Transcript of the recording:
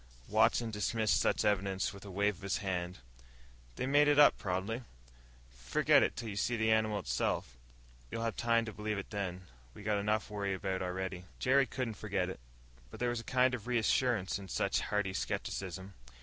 Watson dismissed such evidence with a wave of his hand. "They made it up, probably. Forget it till you see the animal itself. You'll have time to believe it then. We got enough to worry about already." Jerry couldn't forget it. But there was a kind of reassurance in such hearty skepticism.